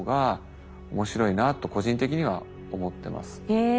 へえ。